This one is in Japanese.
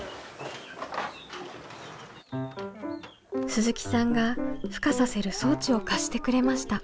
鈴木さんがふ化させる装置を貸してくれました。